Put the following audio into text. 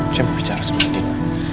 saya mau bicara sama andin